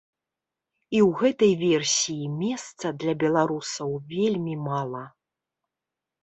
І ў гэтай версіі месца для беларусаў вельмі мала.